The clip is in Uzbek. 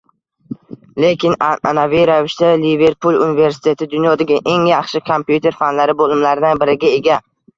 lekin anʼanaviy ravishda Liverpul universiteti dunyodagi eng yaxshi kompyuter fanlari boʻlimlaridan biriga ega.